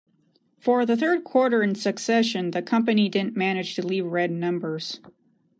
For the third quarter in succession, the company didn't manage to leave red numbers.